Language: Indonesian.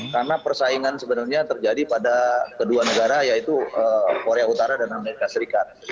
karena persaingan sebenarnya terjadi pada kedua negara yaitu korea utara dan amerika serikat